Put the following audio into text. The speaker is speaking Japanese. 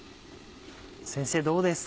先生どうですか。